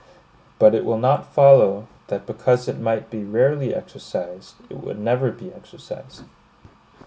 But it will not follow, that because it might be rarely exercised, it would never be exercised.